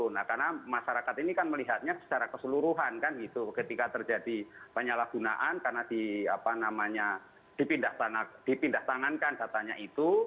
nah karena masyarakat ini kan melihatnya secara keseluruhan kan gitu ketika terjadi penyalahgunaan karena dipindah tangankan datanya itu